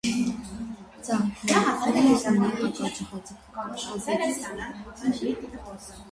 Ծաղիկների թուրմն ունի հակաջղաձգական ազդեցություն։